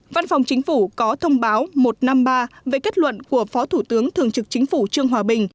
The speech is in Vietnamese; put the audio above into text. văn phòng chính phủ có thông báo một trăm năm mươi ba về kết luận của phó thủ tướng thường trực chính phủ trương hòa bình